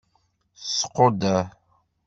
Squdder.